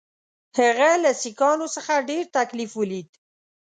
هغه له سیکهانو څخه ډېر تکلیف ولید.